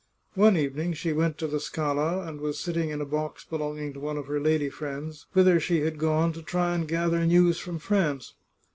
One evening she went to the Scala, and was sitting in a box belonging to one of her lady friends, whither she had gone to try and gather news from France.